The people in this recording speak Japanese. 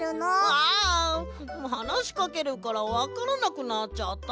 あはなしかけるからわからなくなっちゃった。